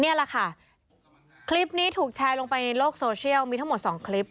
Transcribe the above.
นี่แหละค่ะคลิปนี้ถูกแชร์ลงไปในโลกโซเชียลมีทั้งหมดสองคลิป